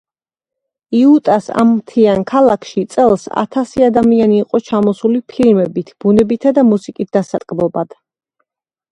იუტას ამ მთიან ქალაქში წელს ათასი ადამიანი იყო სამოსული ფილმებით, ბუნებითა და მუსიკით დასატკბობად.